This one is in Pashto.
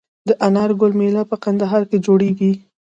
د انار ګل میله په کندهار کې جوړیږي.